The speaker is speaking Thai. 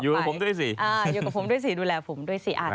อยู่กับผมด้วยสิดูแลผมด้วยสิ